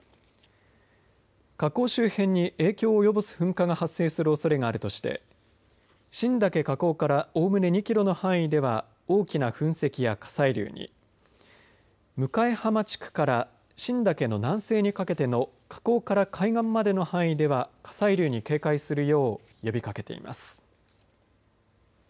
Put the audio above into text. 火口周辺に影響を及ぼす噴火が発生するおそれがあるとして新岳火口からおおむね２キロの範囲では大きな噴石や火砕流に向江浜地区から新岳の南西にかけての火口から海岸までの範囲では火砕流に警戒するよう呼びかけています。